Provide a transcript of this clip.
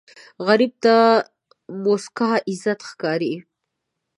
غریب ته موسکا عزت ښکاري